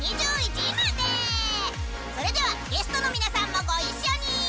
それではゲストの皆さんも御一緒に。